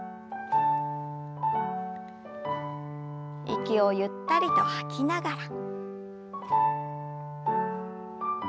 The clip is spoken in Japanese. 息をゆったりと吐きながら。